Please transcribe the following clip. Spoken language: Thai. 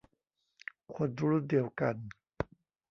คนรุ่นเดียวกัน